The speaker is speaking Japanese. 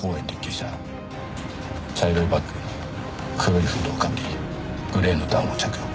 茶色いバッグに黒いフードをかぶりグレーのダウンを着用。